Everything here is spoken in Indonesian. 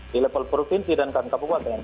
di level provinsi dan kabupaten